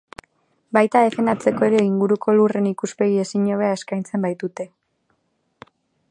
Baita defendatzeko ere, inguruko lurren ikuspegi ezin hobea eskaintzen baitute.